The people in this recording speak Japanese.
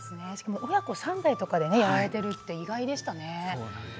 親子三代でやられているとは意外でしたね。